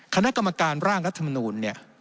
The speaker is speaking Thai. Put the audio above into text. คณะกรรมการร่างรัฐมนูล